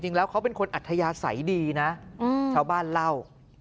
จริงแล้วเขาเป็นคนอัธยาศัยดีนะชาวบ้านเล่า